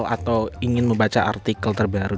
atau ingin membaca artikel terbaru